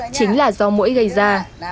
chính là do mũi gây ra